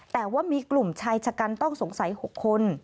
แต่ว่ามีกลุ่มชายชะกันต้องสงสัย๖คน